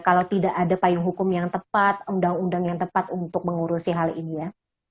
kalau tidak ada payung hukum yang tepat undang undang yang tepat untuk mengurusi hal ini ya